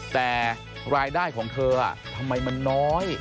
แต่รายได้ของเธอทำไมมันน้อย